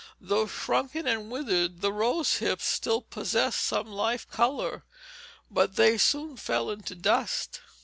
Though shrunken and withered, the rose hips still possessed some life color, but they soon fell into dust.